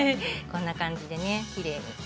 こんな感じできれいに。